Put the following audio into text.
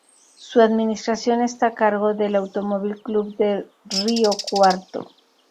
Su administración está a cargo del Automóvil Club de Río Cuarto.